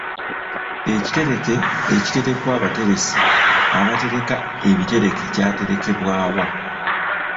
Ekitereke ekiterekwa abateresi abatereka ebitereke kyaterekebwa wa?